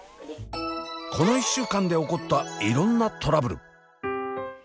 この１週間で起こったいろんなトラブル。